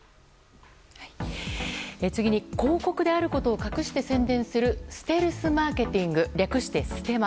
次に広告であることを隠して宣伝するステルスマーケティング略してステマ。